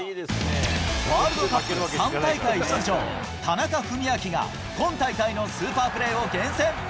ワールドカップ３大会出場、田中史朗が、今大会のスーパープレーを厳選。